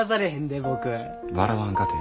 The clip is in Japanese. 笑わんかてええ。